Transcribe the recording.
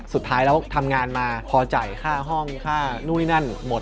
สุดท้ายแล้วทำงานมาพอจ่ายค่าห้องค่านู่นนั่นหมด